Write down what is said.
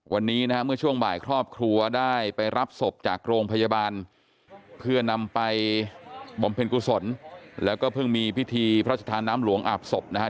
วันนี้นะฮะเมื่อช่วงบ่ายครอบครัวได้ไปรับศพจากโรงพยาบาลเพื่อนำไปบำเพ็ญกุศลแล้วก็เพิ่งมีพิธีพระชธาน้ำหลวงอาบศพนะฮะ